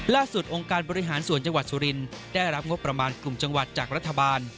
องค์การบริหารส่วนจังหวัดสุรินได้รับงบประมาณกลุ่มจังหวัดจากรัฐบาล